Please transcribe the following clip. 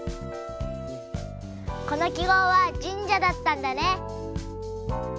このきごうは神社だったんだね。